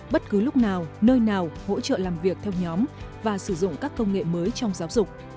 các loại hình đào tạo mới như học điện tử đã tạo cơ hội cho việc theo nhóm và sử dụng các công nghệ mới trong giáo dục